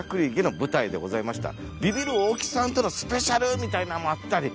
ビビる大木さんとのスペシャルみたいなんもあったり